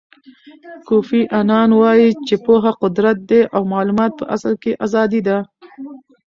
کوفی انان وایي چې پوهه قدرت دی او معلومات په اصل کې ازادي ده.